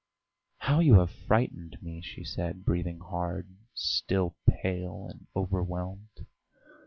"How you have frightened me!" she said, breathing hard, still pale and overwhelmed.